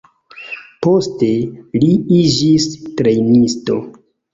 Poste li iĝis trejnisto.